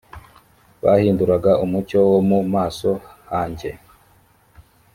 bahinduraga umucyo wo mu maso hanjye .